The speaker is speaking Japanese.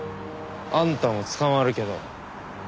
あんたも捕まるけど。